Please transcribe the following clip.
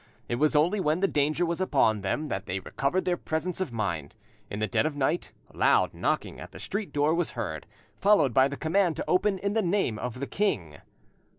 It was only when the danger was upon them that they recovered their presence of mind. In the dead of night loud knocking at the street door was heard, followed by the command to open in the name of the king.